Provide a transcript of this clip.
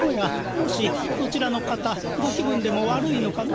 もしそちらの方ご気分でも悪いのかの？